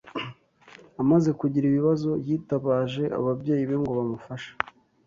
Amaze kugira ibibazo, yitabaje ababyeyi be ngo bamufashe.